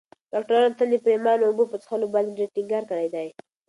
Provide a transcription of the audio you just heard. ډاکترانو تل د پرېمانه اوبو په څښلو باندې ډېر ټینګار کړی دی.